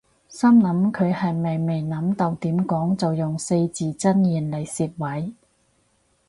心諗佢係咪未諗到點講就用四字真言嚟攝位